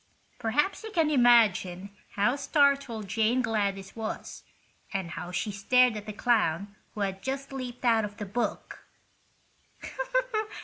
Perhaps you can imagine how startled Jane Gladys was, and how she stared at the clown who had just leaped out of the book.